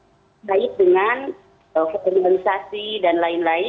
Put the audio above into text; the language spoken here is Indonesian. pakem itu baik dengan iklan itu nilai yang paling luas